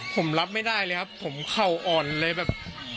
ผมรับไม่ได้เลยครับผมเข่าอ่อนเลยแบบ